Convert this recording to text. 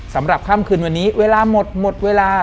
สำหรับค่ำคืนวันนี้เวลาหมดหมดเวลา